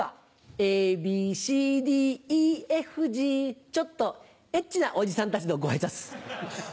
ＡＢＣＤＥＦＧちょっとＨなおじさんたちのご挨拶。